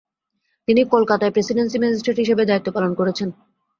তিনি কলকাতায় presidency magistrate হিসেবে দায়িত্বপালন করেছেন।